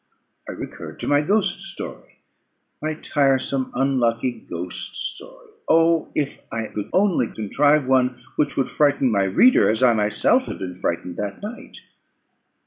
I recurred to my ghost story, my tiresome unlucky ghost story! O! if I could only contrive one which would frighten my reader as I myself had been frightened that night!